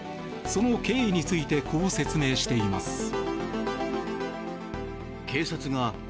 その経緯についてこう説明しています。